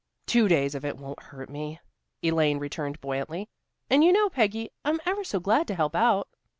"Two days of it won't hurt me," Elaine returned buoyantly. "And you know, Peggy, I'm ever so glad to help out."